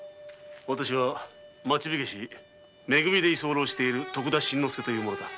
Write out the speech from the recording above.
わたしは町火消・め組に居候している徳田新之助という者だ。